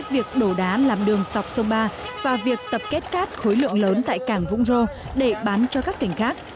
việc đổ đá làm đường sọc sông ba và việc tập kết cát khối lượng lớn tại cảng vũng rô để bán cho các tỉnh khác